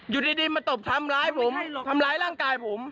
อยู่ดีมาตบทำร้ายผมทำร้ายร่างกายผม